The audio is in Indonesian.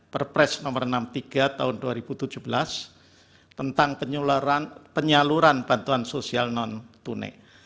perpres nomor enam puluh tiga tahun dua ribu tujuh belas tentang penyaluran bantuan sosial non tunai